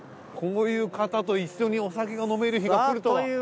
こういう方と一緒にお酒が飲める日が来るとは。